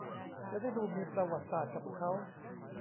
จะได้ดูมีประวัติศาสตร์กับเค้า